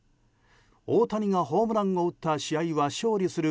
大谷がホームランを打った試合は勝利する